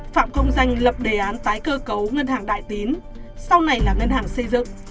phạm công danh lập đề án tái cơ cấu ngân hàng đại tín sau này là ngân hàng xây dựng